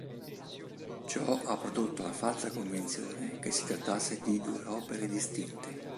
Ciò ha prodotto la falsa convinzione che si trattasse di due opere distinte.